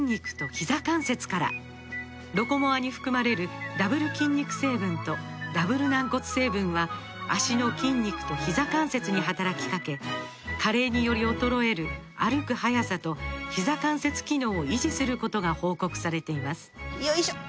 「ロコモア」に含まれるダブル筋肉成分とダブル軟骨成分は脚の筋肉とひざ関節に働きかけ加齢により衰える歩く速さとひざ関節機能を維持することが報告されていますよいしょっ！